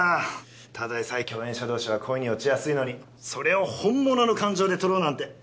ただでさえ共演者同士は恋に落ちやすいのにそれを本物の感情で撮ろうなんて。